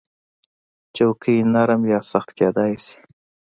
چوکۍ نرم یا سخت کېدای شي.